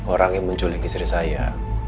orang yang menculik istri saya